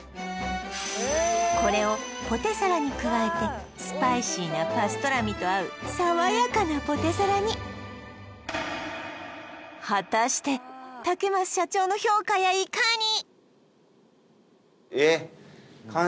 これをポテサラに加えてスパイシーなパストラミと合うさわやかなポテサラに果たして竹増社長の評価やいかに？